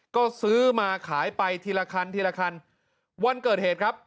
ก็ซื้อมาขายไปทีละคันทีละคันวันเกิดเหตุครับ